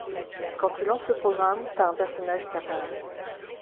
Quand tu lances le programme, t'as un personnage qui apparaît.